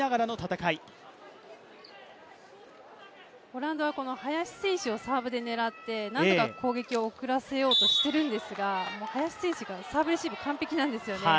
オランダは林選手をサーブで狙ってなんとか攻撃を遅らせようとしているんですが、林選手がサーブレシーブ、完璧なんですよね。